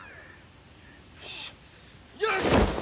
よしよし！